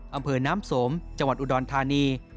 อำเภอน้ำสมจังหวัดอุดรธานี